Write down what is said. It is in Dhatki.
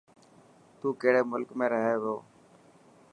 تو ڪهڙي ملڪ ۾ رهي و.